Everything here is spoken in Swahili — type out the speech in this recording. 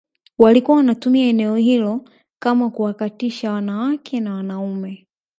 walikuwa wanatumia eneo hilo kama kuwatakatisha wanawake na wanaume